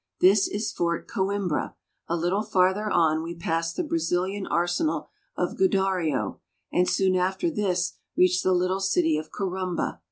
This is Fort Co imbra; a little farther on we pass the Brazil ian arsenal of Godario, and soon after this reach the little city of Corumba'.